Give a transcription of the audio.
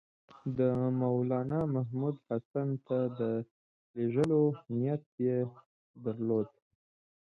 د مولنامحمود حسن ته د لېږلو نیت یې درلود.